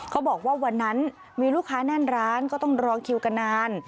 เขาบอกว่าวันนั้นมีลูกค้าแน่นร้านก็ต้องรอคิวกันนาน